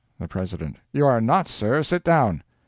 The President—"You are not, sir—sit down."